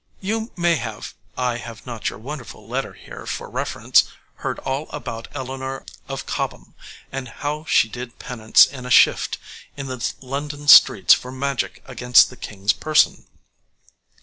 You may have I have not your wonderful letter here for reference heard all about Eleanor of Cobham, and how she did penance in a shift in the London streets for magic against the King's person.